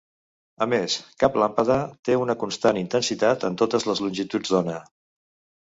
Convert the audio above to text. A més, cap làmpada té una constant intensitat en totes les longituds d'ones.